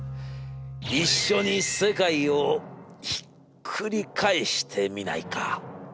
一緒に世界をひっくり返してみないか！』。